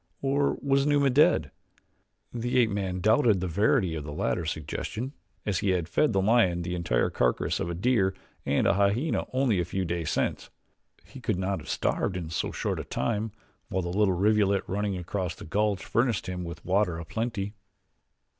Or was Numa dead? The ape man doubted the verity of the latter suggestion as he had fed the lion the entire carcasses of a deer and a hyena only a few days since he could not have starved in so short a time, while the little rivulet running across the gulch furnished him with water a plenty.